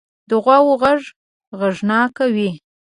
د غوا غږ غږناک وي.